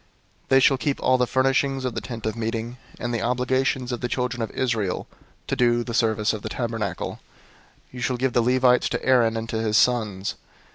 003:008 They shall keep all the furnishings of the Tent of Meeting, and the obligations of the children of Israel, to do the service of the tabernacle. 003:009 You shall give the Levites to Aaron and to his sons.